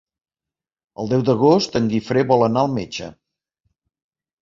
El deu d'agost en Guifré vol anar al metge.